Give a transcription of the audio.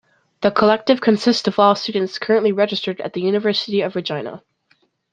The collective consists of all students currently registered at the University of Regina.